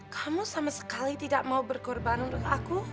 kamu sama sekali tidak mau berkorban untuk aku